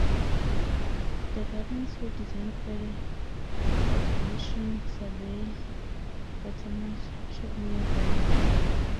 The gardens were designed by the corporation surveyor Thomas Shelmerdine.